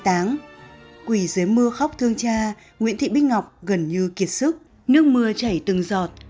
quỷ dưới mưa khóc thương cha nguyễn thị bích ngọc gần như kiệt sức nước mưa chảy từng giọt